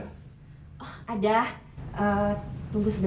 tunggu sebentar ya saya tanggalkan dulu